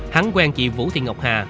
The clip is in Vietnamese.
hắn quen chị vũ thị ngọc hà